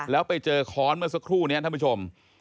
แล้วไปเจอค้อนเมื่อสักครู่นี้ท่านผู้ชม